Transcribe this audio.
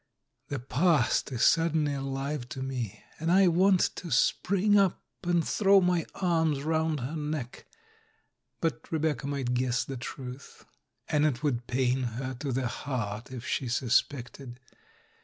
The past is suddenly alive to me, and I want to spring up and throw my arms round her neck. But Rebecca might guess the truth, and it would pain her to the heart if she suspected.